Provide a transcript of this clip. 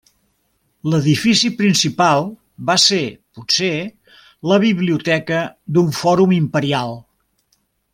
L'edifici principal va ser potser la biblioteca d'un fòrum imperial.